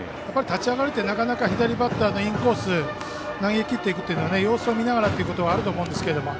立ち上がりってなかなか左バッターのインコースを投げきっていくというのは様子を見ながらということはあると思うんですけども。